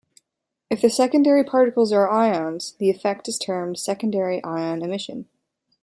If the secondary particles are ions, the effect is termed secondary ion emission.